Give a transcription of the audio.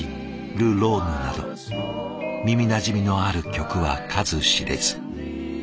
「ル・ローヌ」など耳なじみのある曲は数知れず。